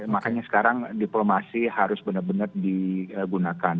makanya sekarang diplomasi harus benar benar digunakan